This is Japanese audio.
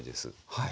はい。